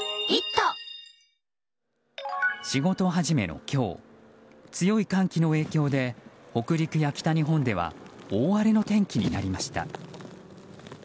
仕事始めの今日強い寒気の影響で北陸や北日本では大荒れの天気になりました。